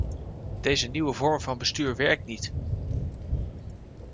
Deze nieuwe vorm van bestuur werkt niet!